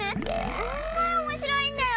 すっごいおもしろいんだよ！